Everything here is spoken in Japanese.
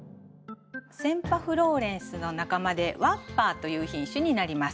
センパフローレンスの仲間でワッパーという品種になります。